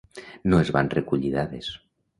No es van recollir dades.